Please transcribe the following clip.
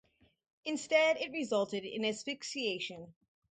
Instead, it resulted in asphyxiation.